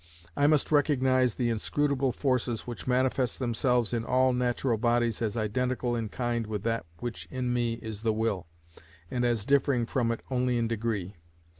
I must recognise the inscrutable forces which manifest themselves in all natural bodies as identical in kind with that which in me is the will, and as differing from it only in degree.